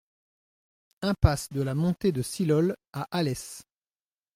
Impasse de la Montée de Silhol à Alès